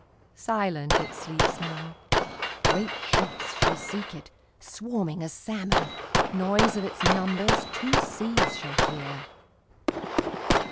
Silent it sleeps now; Great ships shall seek it, Swarming as salmon; Noise of its numbersTwo seas shall hear.